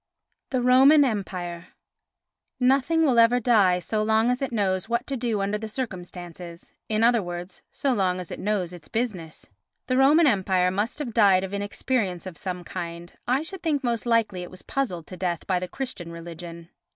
The Roman Empire Nothing will ever die so long as it knows what to do under the circumstances, in other words so long as it knows its business. The Roman Empire must have died of inexperience of some kind, I should think most likely it was puzzled to death by the Christian religion.